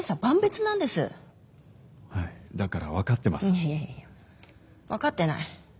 いやいやいや分かってない。